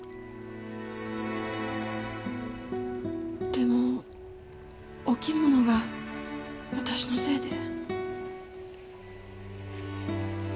でもお着物が私のせいで。